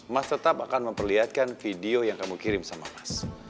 mas tetap akan memperlihatkan video yang kamu kirim sama mas